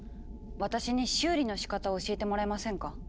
私に修理のしかたを教えてもらえませんか？